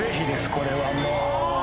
これはもう。